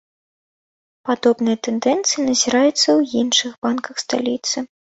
Падобныя тэндэнцыі назіраюцца і ў іншых банках сталіцы.